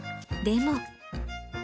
でも。